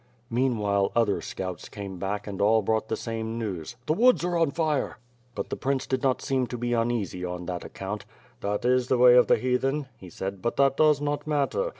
Meanwhile other scouts came back and all brought the same news. "The woods are on fire!" But the prince did not seem to be uneasy on that account. "That is the way of the Heathen," he said, "but tliat does not matter.